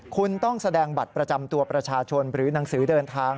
คุณต้องแสดงบัตรประจำตัวประชาชนหรือหนังสือเดินทาง